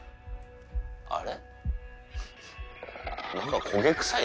あれ？